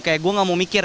kayak gue gak mau mikir